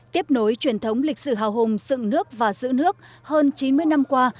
tiếp nối truyền thống lịch sử hào hùng dựng nước và giữ nước hơn chín mươi năm qua